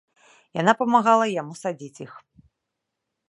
Яна памагала яму садзіць іх.